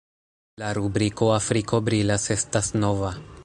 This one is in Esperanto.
La rubriko "Afriko brilas" estas nova.